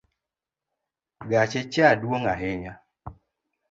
Gache cha dwong ahinya.